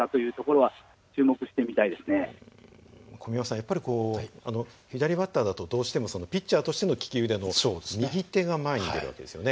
やっぱり左バッターだとどうしてもピッチャーとしての利き腕の右手が前に出る訳ですよね。